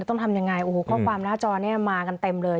ต้องทำยังไงโอ้โหข้อความหน้าจอเนี่ยมากันเต็มเลย